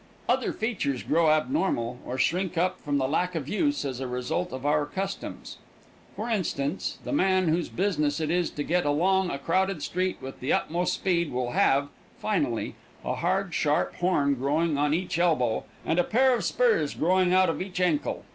Other features grow abnormal, or shrink up from the lack of use, as a result of our customs. For instance, the man whose business it is to get along a crowded street with the utmost speed will have, finally, a hard, sharp horn growing on each elbow, and a pair of spurs growing out of each ankle.